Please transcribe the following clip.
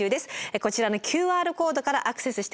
こちらのＱＲコードからアクセスして下さい。